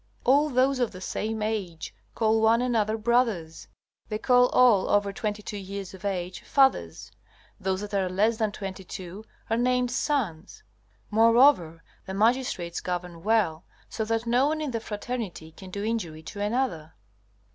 All those of the same age call one another brothers. They call all over twenty two years of age, fathers; those that are less than twenty two are named sons. Moreover, the magistrates govern well, so that no one in the fraternity can do injury to another.